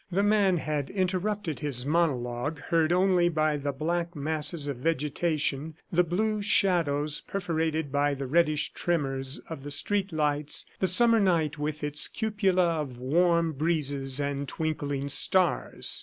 The man had interrupted his monologue, heard only by the black masses of vegetation, the blue shadows perforated by the reddish tremors of the street lights, the summer night with its cupola of warm breezes and twinkling stars.